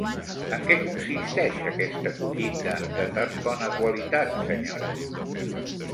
En què consisteix aquesta collita de tan bona qualitat, senyora?